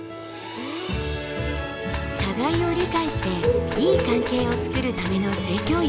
互いを理解していい関係を作るための性教育。